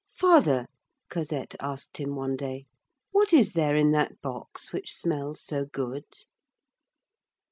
"Father," Cosette asked him one day, "what is there in that box which smells so good?"